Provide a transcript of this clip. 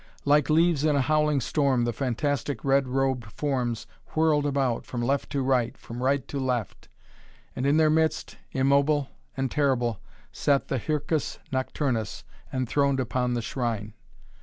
Like leaves in a howling storm the fantastic red robed forms whirled about, from left to right, from right to left. And in their midst, immobile and terrible, sat the Hircus Nocturnus, enthroned upon the shrine.